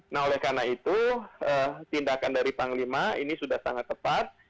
nah oleh karena itu tindakan dari panglima ini sudah sangat tepat